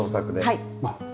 はい。